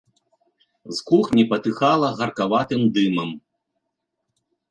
З кухні патыхала гаркаватым дымам.